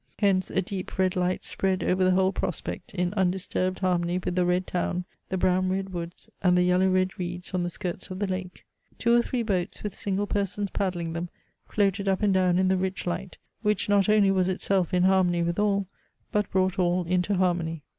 Hence a deep red light spread over the whole prospect, in undisturbed harmony with the red town, the brown red woods, and the yellow red reeds on the skirts of the lake. Two or three boats, with single persons paddling them, floated up and down in the rich light, which not only was itself in harmony with all, but brought all into harmony.